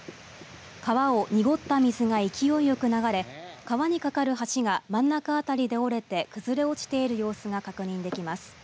川を濁った水が勢いよく流れ川に架かる橋が真ん中辺りで折れて崩れ落ちている様子が確認できます。